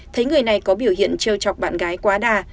thấy người này có biểu hiện trêu trọc bạn gái quá đà